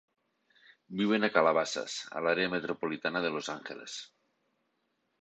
Viuen a Calabasas, a l'àrea metropolitana de Los Angeles.